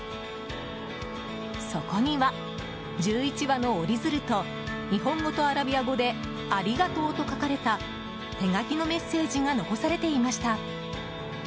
そこには１１羽の折り鶴と日本語とアラビア語で「ありがとう」と書かれた手書きのメッセージが残されていました。